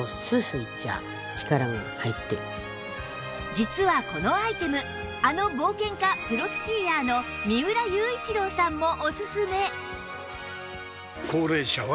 実はこのアイテムあの冒険家・プロスキーヤーの三浦雄一郎さんもおすすめ